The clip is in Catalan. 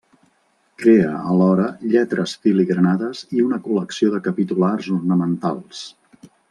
Crea alhora lletres filigranades i una col·lecció de capitulars ornamentals.